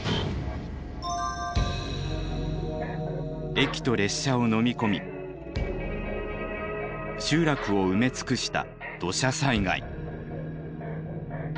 駅と列車をのみ込み集落を埋め尽くした土砂災害。